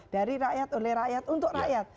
dari rakyat oleh rakyat untuk rakyat